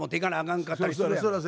んかったりするやん。